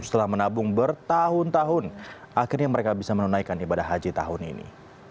setelah menabung bertahun tahun akhirnya mereka bisa menunaikan ibadah haji tahun ini